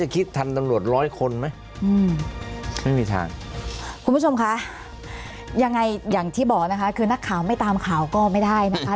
คุณผู้ชมคะยังไงอย่างที่บอกนะคะคือนักข่าวไม่ตามข่าวก็ไม่ได้นะคะ